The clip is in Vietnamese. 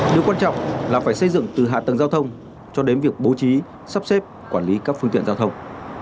điều quan trọng là phải xây dựng từ hạ tầng giao thông cho đến việc bố trí sắp xếp quản lý các phương tiện giao thông